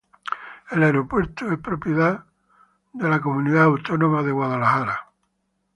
El aeropuerto es propiedad del estado de Connecticut.